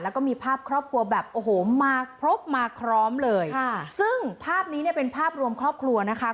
แล้วก็มีภาพครอบครัวแบบมาพรบมาคร้อมเลยซึ่งภาพนี้เป็นภาพรวมครอบครัวนะคะ